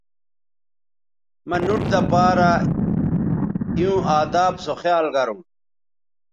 مہ نُوٹ دہ پارہ ایوں اداب سو خیال گرونݜ